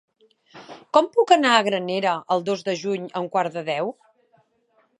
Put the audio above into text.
Com puc anar a Granera el dos de juny a un quart de deu?